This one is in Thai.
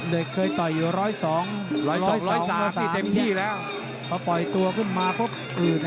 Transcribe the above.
โดยเคยต่อยอยู่๑๐๒๑๐๓เพราะปล่อยตัวขึ้นมาพบอืด